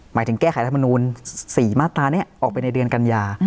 หมายถึงแก้ไขรัฐมนูล๔มาตรานี้ออกไปในเดือนกัญญา